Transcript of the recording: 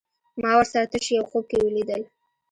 ما ورسره تش يو خوب کې وليدل